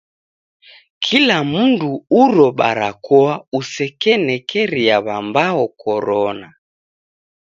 Kula mundu uro barakoa usekenekeria w'ambao korona.